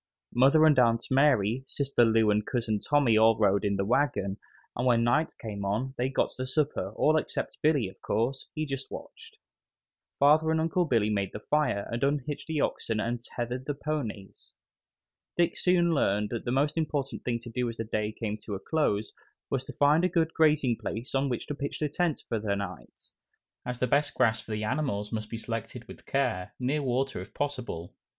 Mother and Aunt Mary, Sister Lou and Cousin Tommy all rode in the wagon, and when night came on they got the supper, all except Billy, of course; he just watched. Father and Uncle Billy made the fire and unhitched the oxen and tethered the ponies. Dick soon learned that the most important thing to do as the day came to a close was to find a good grazing place on which to pitch tent for the night, as the best grass for the animals must be selected with care, near water if possible.